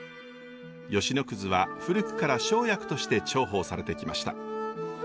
吉野くずは古くから生薬として重宝されてきました。